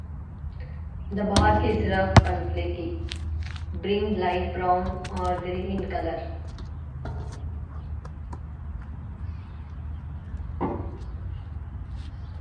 The bark is rough and flaky being light brown or gray in colour.